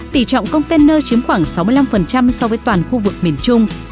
tỷ trọng container chiếm khoảng sáu mươi năm so với toàn khu vực miền trung